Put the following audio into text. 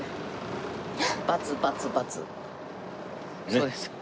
そうです。